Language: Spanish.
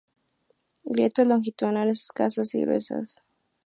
Grietas longitudinales escasas y gruesas.